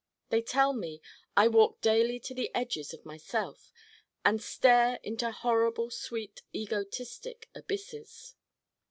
They tell me I walk daily to the edges of myself and stare into horrible sweet egotistic abysses.